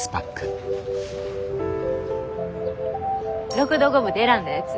６度５分で選んだやつ。